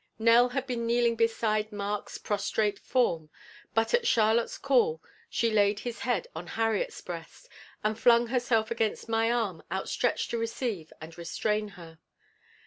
Nell had been kneeling beside Mark's prostrate form, but at Charlotte's call she laid his head on Harriet's breast and flung herself against my arm outstretched to receive and restrain her.